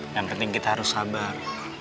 yang penting kita harus sabar